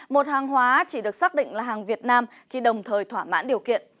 một hàng hóa chỉ được xác định là hàng việt nam khi đồng thời thỏa mãn điều kiện